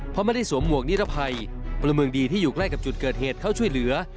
เพราะไม่ได้สวมหมวกนิรภัยพลเมืองดีที่อยู่ใกล้กับจุดเกิดเหตุเข้าช่วยเหลือ